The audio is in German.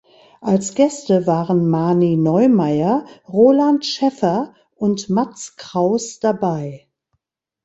Als Gäste waren Mani Neumeier, Roland Schäffer und Matz Kraus dabei.